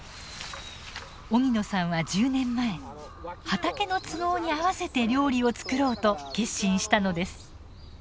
荻野さんは１０年前畑の都合にあわせて料理をつくろうと決心したのです。